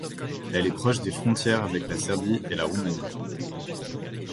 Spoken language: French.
Elle est proche des frontières avec la Serbie et la Roumanie.